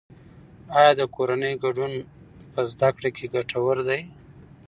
آیا د کورنۍ ګډون په زده کړه کې ګټور دی؟